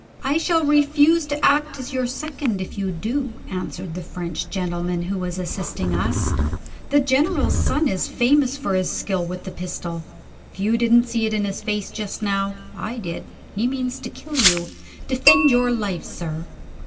"I shall refuse to act as your second if you do," answered the French gentleman who was assisting us. "The General's son is famous for his skill with the pistol. If you didn't see it in his face just now, I did he means to kill you. Defend your life, sir!"